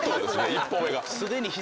１歩目が。